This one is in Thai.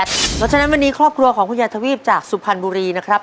เพราะฉะนั้นวันนี้ครอบครัวของคุณยายทวีปจากสุพรรณบุรีนะครับ